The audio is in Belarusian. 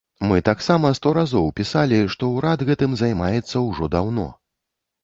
Мы таксама сто разоў пісалі, што ўрад гэтым займаецца ўжо даўно.